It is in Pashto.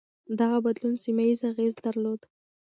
دغه بدلون سيمه ييز اغېز درلود.